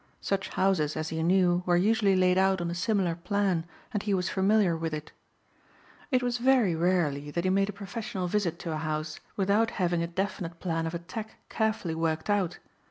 Such houses, as he knew, were usually laid out on a similar plan and he was familiar with it. It was very rarely that he made a professional visit to a house without having a definite plan of attack carefully worked out.